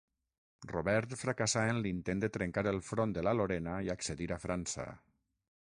Robert fracassà en l'intent de trencar el front de la Lorena i accedir a França.